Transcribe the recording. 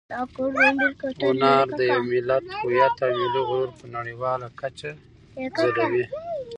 هنر د یو ملت هویت او ملي غرور په نړیواله کچه ځلوي.